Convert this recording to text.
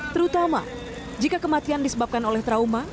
terutama jika kematian disebabkan oleh trauma